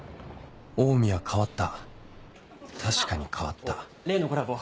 オウミは変わった確かに変わった例のコラボ